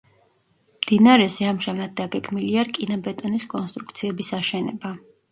მდინარეზე ამჟამად დაგეგმილია რკინაბეტონის კონსტრუქციების აშენება.